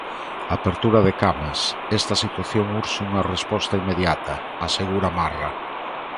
Apertura de camas Esta situación urxe unha resposta inmediata, asegura Marra.